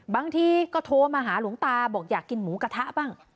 บางทีก็โทรมาหาหลวงตาบอกอยากกินหมูกระทะบ้าง